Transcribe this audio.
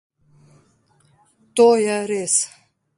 In to je res.